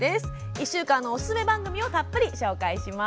１週間のおすすめ番組をたっぷり紹介します。